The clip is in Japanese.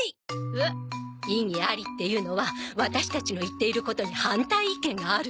おっ？異議ありっていうのはワタシたちの言っていることに反対意見があるってことよ。